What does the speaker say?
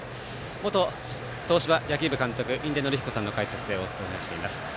元東芝野球部監督印出順彦さんの解説でお送りしています。